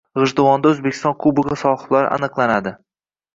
G‘ijduvonda O‘zbekiston kubogi sohiblari aniqlanading